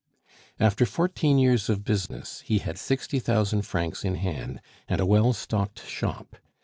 After fourteen years of business, he had sixty thousand francs in hand and a well stocked shop.